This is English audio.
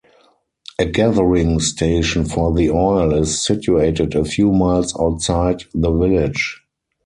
A gathering station for the oil is situated a few miles outside the village.